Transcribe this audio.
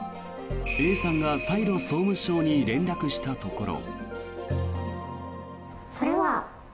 Ａさんが再度、総務省に連絡したところ。